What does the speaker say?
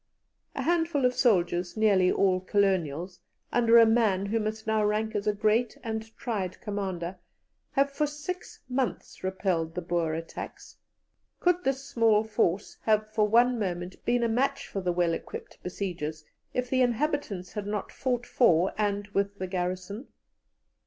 A handful of soldiers, nearly all colonials, under a man who must now rank as a great and tried commander, have for six months repelled the Boer attacks. Could this small force have for one moment been a match for the well equipped besiegers if the inhabitants had not fought for and with the garrison?